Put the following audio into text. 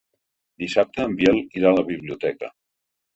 Dissabte en Biel irà a la biblioteca.